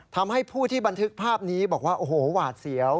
ทำให้ผู้ที่บันทึกภาพนี้บอกว่าโอ้โหหวาดเสียว